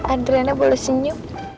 adriana boleh senyum